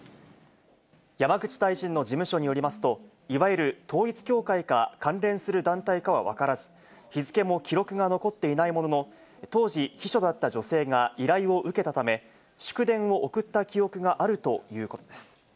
山口大臣の事務所によりますと、いわゆる統一教会か関連する団体かは分からず、日付も記録が残っていないものの、当時、秘書だった女性が依頼を受けたため、祝電を送った記憶があるということです。